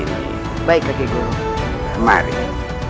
pusaka keris mata dua